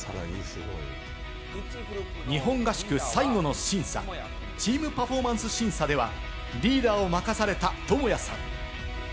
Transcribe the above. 日本合宿最後の審査、チーム・パフォーマンス審査ではリーダーを任されたトモヤさん。